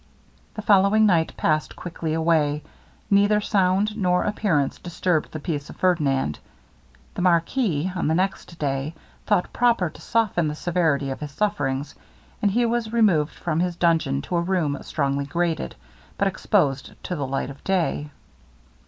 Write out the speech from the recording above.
The following night passed quietly away; neither sound nor appearance disturbed the peace of Ferdinand. The marquis, on the next day, thought proper to soften the severity of his sufferings, and he was removed from his dungeon to a room strongly grated, but exposed to the light of day.